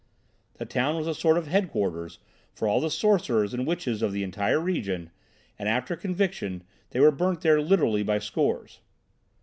The town was a sort of headquarters for all the sorcerers and witches of the entire region, and after conviction they were burnt there literally by scores.